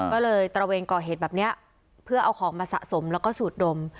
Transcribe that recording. ก็เลยตระเวนก่อเหตุแบบนี้เพื่อเอาของมาสะสมแล้วก็สูดดม